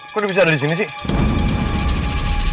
kok dia bisa ada disini sih